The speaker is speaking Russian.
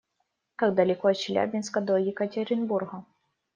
Как далеко от Челябинска до Екатеринбурга?